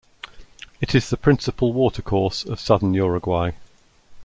It is the principal watercourse of southern Uruguay.